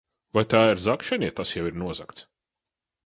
Vai tā ir zagšana, ja tas jau ir nozagts?